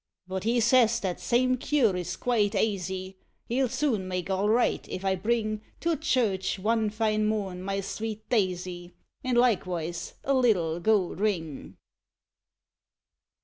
But he says that same cure is quite aisy, He'll soon make all right, if I bring To church, one fine morn, my sweet Daisy, And likewise a little gold ring.